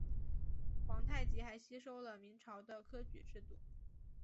皇太极还吸收了明朝的科举制度。